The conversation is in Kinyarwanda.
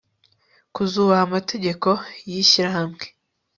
kuzubaha amategeko y ishyirahamwe